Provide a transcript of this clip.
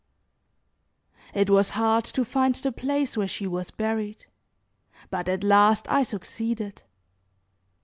It was hard to find the place where she was buried. But at last I succeeded.